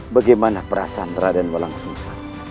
bagaimana perasaan raden walang susah